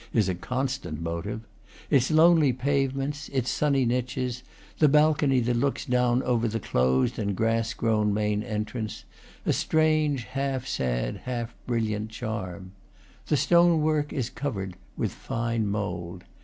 is a con tant motive, its lonely pavements, its sunny niches, the balcony that looks down over the closed and grass grown main entrance, a strange, half sad, half brilliant charm. The stone work is covered with fine mould.